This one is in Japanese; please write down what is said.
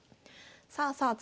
さあさあ